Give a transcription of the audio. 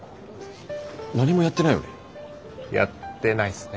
何もやってないよね？